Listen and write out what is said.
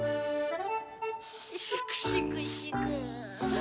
しくしくしく。